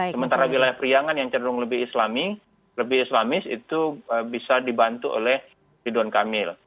sementara wilayah priangan yang cenderung lebih islami lebih islamis itu bisa dibantu oleh ridwan kamil